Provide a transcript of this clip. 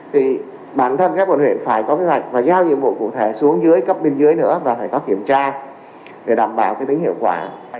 thì bản thân các quận huyện phải có kế hoạch và giao nhiệm vụ cụ thể xuống dưới cấp bên dưới nữa và phải có kiểm tra để đảm bảo cái tính hiệu quả